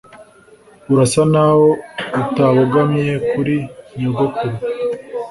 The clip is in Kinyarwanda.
Urasa naho utabogamye kuri nyogokuru